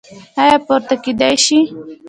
ایا پورته کیدی شئ؟